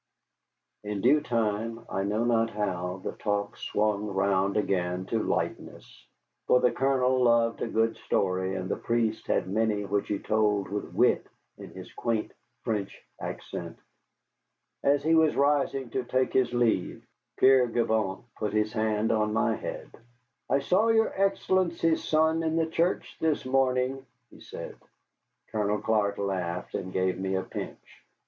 In due time, I know not how, the talk swung round again to lightness, for the Colonel loved a good story, and the priest had many which he told with wit in his quaint French accent. As he was rising to take his leave, Père Gibault put his hand on my head. "I saw your Excellency's son in the church this morning," he said. Colonel Clark laughed and gave me a pinch.